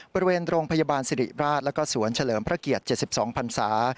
บริเวณโรงพยาบาลสิริราชแล้วก็สวนเฉลิมพระเกียรติ๗๒พันศา